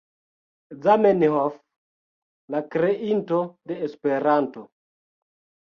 Zamenhof, la kreinto de Esperanto.